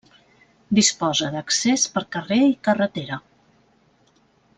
Disposa d'accés per carrer i carretera.